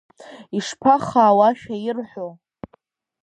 Ишԥахаау ашәа ирҳәо!